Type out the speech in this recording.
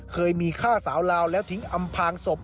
เคยมีฆ่าสาวลาวแล้วทิ้งอำพางศพ